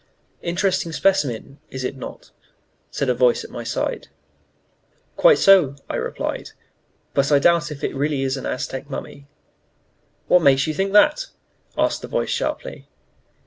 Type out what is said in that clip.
"Interesting specimen, is it not?" said a voice at my side. "Quite so," I replied. "But I doubt if it is really an Aztec mummy." "What makes you think that?" asked the voice sharply.